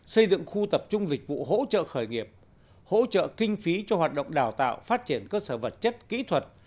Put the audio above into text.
xây dựng khu tập trung dịch vụ hỗ trợ khởi nghiệp hỗ trợ kinh phí cho hoạt động đào tạo phát triển cơ sở vật chất kỹ thuật